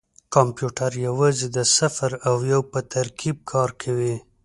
کمپیوټر یوازې د صفر او یو په ترکیب کار کوي.